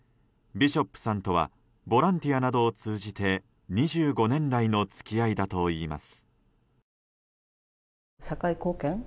ビショップさんとはボランティアなどを通じて２５年来の付き合いだといいます。